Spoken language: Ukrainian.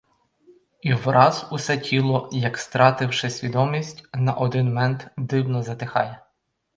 І враз усе тіло, як стративши свідомість, на один мент дивно затихає.